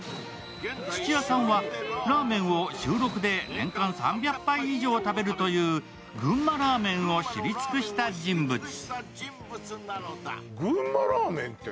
土谷さんはラーメンを週６で年間３００杯以上食べるという群馬ラーメンを知り尽くした人物。